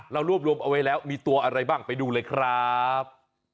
เรารวบรวมเอาไว้แล้วมีตัวอะไรบ้างไปดูเลยครับ